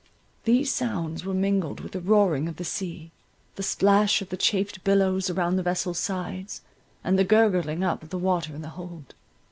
These sounds were mingled with the roaring of the sea, the splash of the chafed billows round the vessel's sides, and the gurgling up of the water in the hold.